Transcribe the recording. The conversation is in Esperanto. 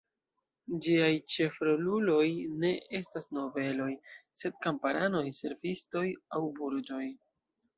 Ĝiaj ĉefroluloj ne estas nobeloj, sed kamparanoj, servistoj aŭ burĝoj.